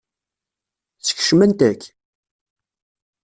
Skecment-k?